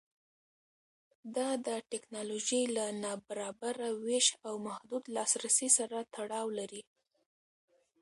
دا د ټکنالوژۍ له نابرابره وېش او محدود لاسرسي سره تړاو لري.